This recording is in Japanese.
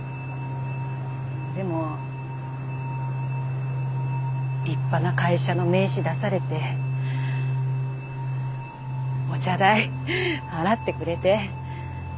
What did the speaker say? でも立派な会社の名刺出されてお茶代払ってくれて。